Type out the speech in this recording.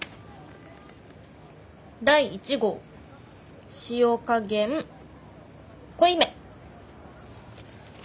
「第１号塩加減濃いめ」。